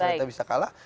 kita bisa kalah